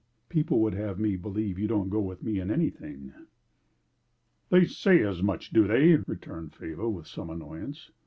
"People would have me believe you don't go with me in anything." "They say as much do they?" returned Faber with some annoyance.